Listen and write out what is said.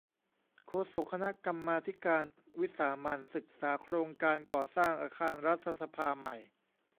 โฆษกคณะกรรมาธิการวิสามัญ ศึกษาโครงการก่อสร้างอาคารรัฐสภาใหม่